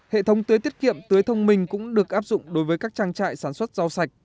hệ thống tưới tiết kiệm tưới thông minh cũng được áp dụng đối với các trang trại sản xuất rau sạch